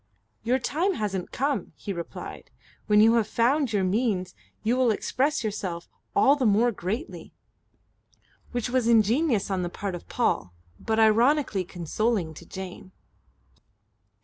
"Your time hasn't come," he replied. "When you have found your means you will express yourself all the more greatly." Which was ingenious on the part of Paul, but ironically consoling to Jane.